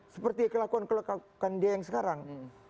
seperti kelakuan kelekakan dia yang sekarang